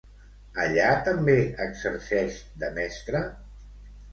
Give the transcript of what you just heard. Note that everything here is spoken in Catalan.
Allà també exerceix de mestra?